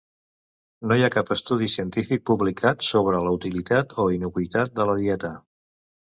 No hi ha cap estudi científic publicat sobre la utilitat o innocuïtat de la dieta.